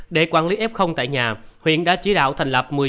để quản lý f tại nhà huyện đã chỉ đạo thành lập